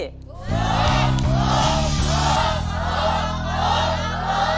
หัว